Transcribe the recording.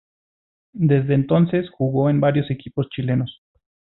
Desde entonces jugo en varios equipos chilenos.